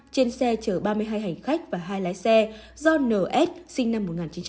trên xe chở ba mươi hai hành khách và hai lái xe do ns sinh năm một nghìn chín trăm tám mươi